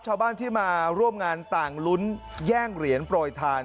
ชาวบ้านที่มาร่วมงานต่างลุ้นแย่งเหรียญโปรยทาน